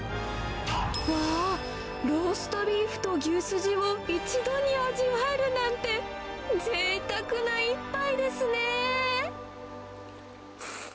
わー、ローストビーフと牛筋を一度に味わえるなんて、ぜいたくな一杯ですね。